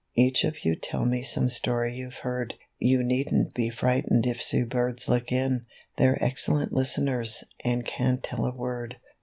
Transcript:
Each of you tell me some story you've heard. You needn't be frightened if sea birds look in ; They're excellent listeners, and can't tell a word.